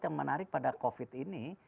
yang menarik pada covid ini